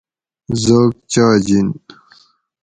زوگ چاجِن